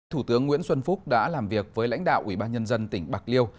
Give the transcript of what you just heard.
thủ tướng nguyễn xuân phúc đã làm việc với lãnh đạo ủy ban nhân dân tỉnh bạc liêu